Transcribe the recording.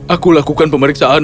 aku lakukan pemeriksaan